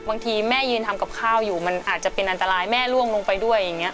บางทีแม่ยืนทำกับข้าวอยู่มันอาจจะเป็นอันตรายแม่ล่วงลงไปด้วยอย่างนี้